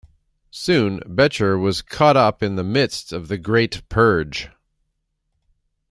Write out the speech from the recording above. Soon Becher was caught up in the midst of the Great Purge.